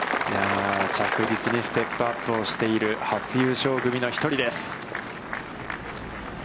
着実にステップアップをしている初優勝組の１人です。